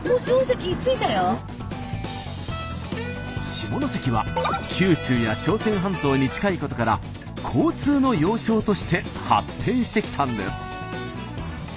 下関は九州や朝鮮半島に近いことから交通の要衝として発展してきたんです。